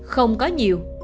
không có nhiều